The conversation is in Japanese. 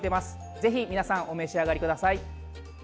ぜひ皆さんお召し上がりください。